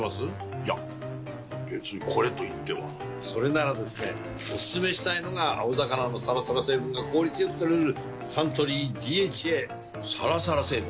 いや別にこれといってはそれならですねおすすめしたいのが青魚のサラサラ成分が効率良く摂れるサントリー「ＤＨＡ」サラサラ成分？